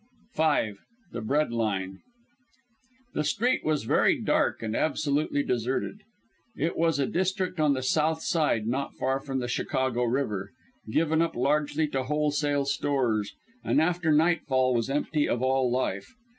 V. THE BREAD LINE The street was very dark and absolutely deserted. It was a district on the "South Side," not far from the Chicago River, given up largely to wholesale stores, and after nightfall was empty of all life.